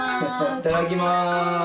いただきます。